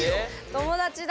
友達だ。